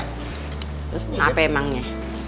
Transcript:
terus kenapa emangnya